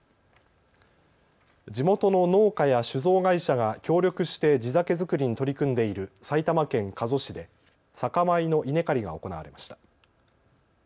地元の農家や酒造会社が協力して地酒づくりに取り組んでいる埼玉県加須市で酒米の稲刈りが行われました。